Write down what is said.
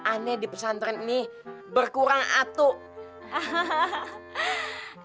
apa aneh di pesantren ini berkurang atuh